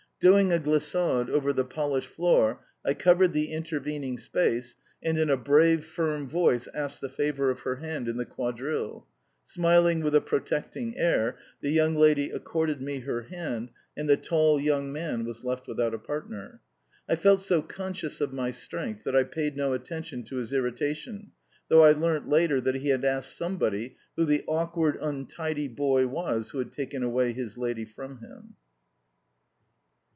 Doing a glissade over the polished floor, I covered the intervening space, and in a brave, firm voice asked the favour of her hand in the quadrille. Smiling with a protecting air, the young lady accorded me her hand, and the tall young man was left without a partner. I felt so conscious of my strength that I paid no attention to his irritation, though I learnt later that he had asked somebody who the awkward, untidy boy was who, had taken away his lady from him.